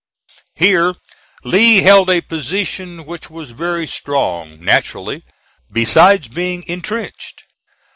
Here Lee held a position which was very strong, naturally, besides being intrenched.